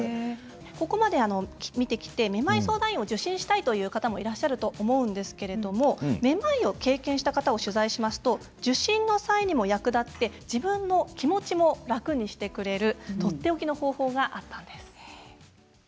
ここまで見てきてめまい相談医を受診したいという方もいらっしゃると思うんですけれどもめまいを経験した方を取材しますと受診の際にも役立って自分の気持ちも楽にしてくれるとっておきの方法があったんです。